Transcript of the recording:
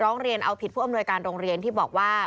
ร้องเรียนเอาผิดผู้อำนวยการโรงเรียนที่บอกว่า